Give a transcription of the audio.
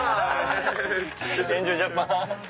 エンジョイジャパン！